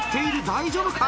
大丈夫か？